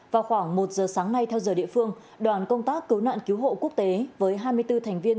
vào khoảng một giờ sáng nay theo giờ địa phương đoàn công tác cứu nạn cứu hộ quốc tế với hai mươi bốn thành viên